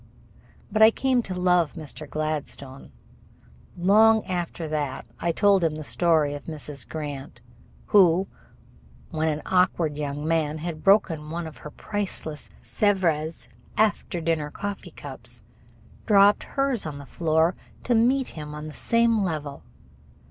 But I came to love Mr. Gladstone. Long after that I told him the story of Mrs. Grant, who, when an awkward young man had broken one of her priceless Sevres after dinner coffee cups, dropped hers on the floor to meet him on the same level.